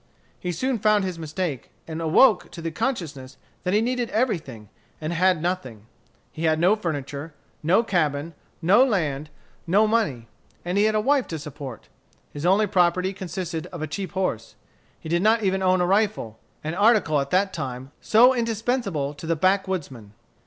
He soon found his mistake, and awoke to the consciousness that he needed everything, and had nothing. He had no furniture, no cabin, no land, no money. And he had a wife to support. His only property consisted of a cheap horse. He did not even own a rifle, an article at that time so indispensable to the backwoodsman.